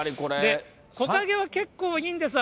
木陰は結構いいんです。